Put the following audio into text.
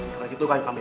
kalau gitu kami pamit